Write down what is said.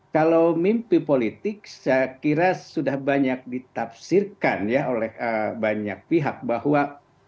kalau mimpi politik saya kira sudah banyak ditafsirkan ya oleh banyak pihak bahwa